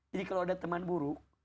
jadi kalau ada teman buruk